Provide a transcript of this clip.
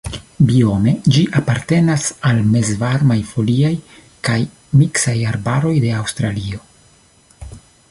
Biome ĝi apartenas al mezvarmaj foliaj kaj miksaj arbaroj de Aŭstralio.